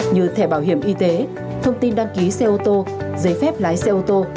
như thẻ bảo hiểm y tế thông tin đăng ký xe ô tô giấy phép lái xe ô tô